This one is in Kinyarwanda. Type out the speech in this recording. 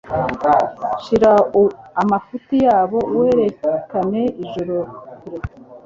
Shira amafuti yabo, werekane ijoro kure;